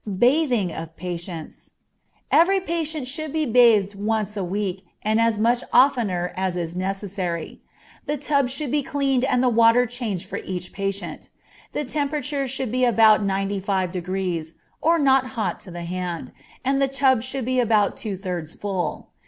Bathing of Patients. Every patient should be bathed once a week and as much oftener as is necessary. The tub should be cleaned and the water changed for each patient; the temperature should be about ninety five degrees, or not hot to the hand, and the tub should be about two thirds full.